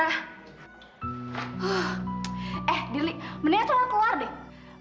eh dirly mendingan tuh lo keluar deh